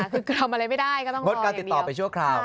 คือทำอะไรไม่ได้ก็ต้องรออย่างเดียวหมดการติดต่อไปชั่วคราว